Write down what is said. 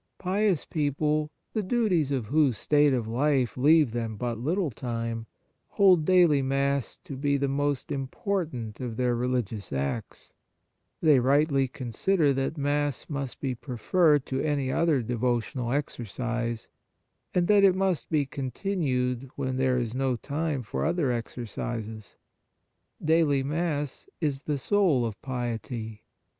Pious people, the duties of whose state of life leave them but little time, hold daily Mass to be the most important of their religious acts ; they rightly consider that Mass must be preferred to any other devotional exercise, and that it 72 Holy Mass must be continued when there is no time for other exercises. Daily Mass is the soul of piety.